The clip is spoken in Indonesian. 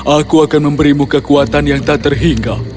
aku akan memberimu kekuatan yang tak terhingga